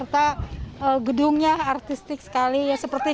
di kafe yang memiliki enam lantai